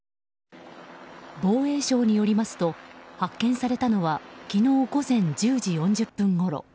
防衛省によりますと発見されたのは昨日午前１０時４０分ごろ。